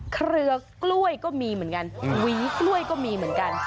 เครือกล้วยก็มีเหมือนกันหวีกล้วยก็มีเหมือนกัน